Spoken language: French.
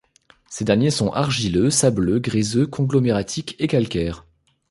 Ces derniers sont argileux, sableux, gréseux, conglomératiques et calcaires.